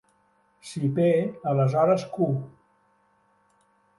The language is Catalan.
Si P aleshores Q.